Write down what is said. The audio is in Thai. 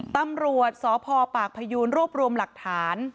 ตำรวจสพปากพยูนรวบรวมหลักฐาน